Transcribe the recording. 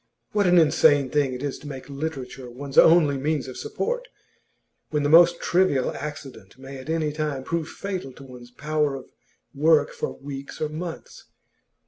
What an insane thing it is to make literature one's only means of support! When the most trivial accident may at any time prove fatal to one's power of work for weeks or months.